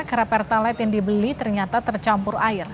karena pertalite yang dibeli ternyata tercampur air